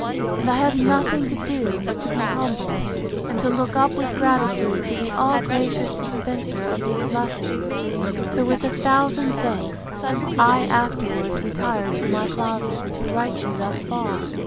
—And I have nothing to do, but to be humble, and to look up with gratitude to the all gracious dispenser of these blessings. So, with a thousand thanks, I afterwards retired to my closet, to write you thus far.